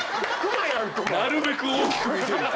なるべく大きく見せるっていう。